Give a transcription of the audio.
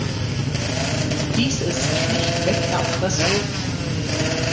Dies ist schlichtweg Erpressung.